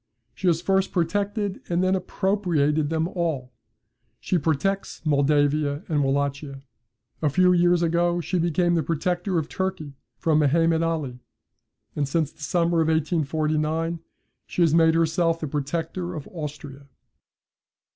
She has first protected, and then appropriated them all. She protects Moldavia and Wallachia. A few years ago she became the protector of Turkey from Mehemet Ali; and since the summer of 1849 she has made herself the protector of Austria.